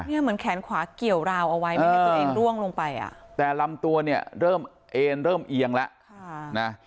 เหมือนแขนขวาเกี่ยวราวเอาไว้ไม่ให้ตัวเองร่วงลงไปอ่ะแต่ลำตัวเนี่ยเริ่มเอ็นเริ่มเอียงแล้วนะ